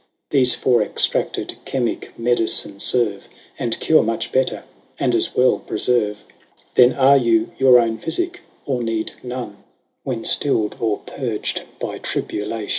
Thefe for extracted chimique medicine ferve, And cure much better, and as well preferve ; Then are you your own phyficke, or need none, When Still'd, or purg'd by tribulation.